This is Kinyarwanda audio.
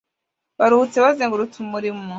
baruhutse bazengurutse umuriro